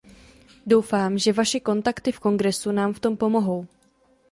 Doufám, že vaše kontakty v Kongresu nám v tom pomohou.